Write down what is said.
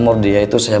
terima kasih untuk saya